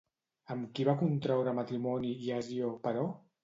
Amb qui va contraure matrimoni Iasió, però?